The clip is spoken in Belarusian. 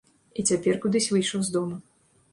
І цяпер кудысь выйшаў з дому.